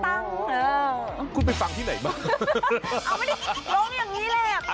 เอาไว้นี่ลองอย่างนี้แหละ